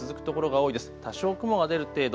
多少、雲が出る程度。